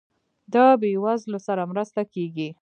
د بیوزلو سره مرسته کیږي؟